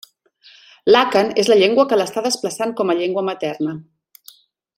L'àkan és la llengua que l'està desplaçant com a llengua materna.